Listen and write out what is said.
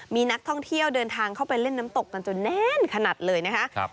มีนักท่องเที่ยวเดินทางเข้าไปเล่นน้ำตกกันจนแน่นขนาดเลยนะคะ